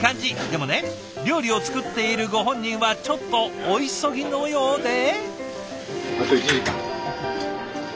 でもね料理を作っているご本人はちょっとお急ぎのようで。